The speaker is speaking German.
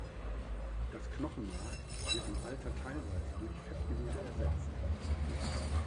Das Knochenmark wird im Alter teilweise durch Fettgewebe ersetzt.